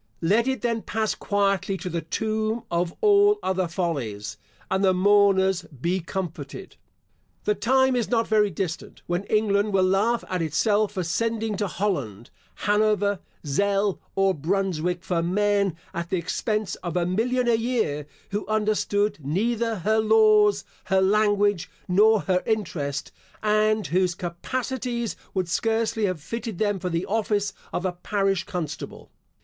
Let it then pass quietly to the tomb of all other follies, and the mourners be comforted. The time is not very distant when England will laugh at itself for sending to Holland, Hanover, Zell, or Brunswick for men, at the expense of a million a year, who understood neither her laws, her language, nor her interest, and whose capacities would scarcely have fitted them for the office of a parish constable.